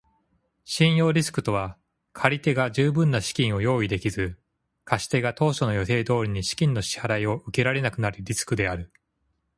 信用リスクとは借り手が十分な資金を用意できず、貸し手が当初の予定通りに資金の支払を受けられなくなるリスクである。